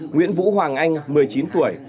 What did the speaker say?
nguyễn vũ hoàng anh một mươi chín tuổi